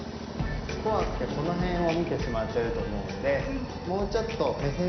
こわくてこのへんをみてしまってるとおもうのでもうちょっとめせんをとおくに。